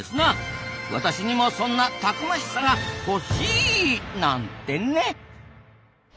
私にもそんなたくましさがホシー！なんてね。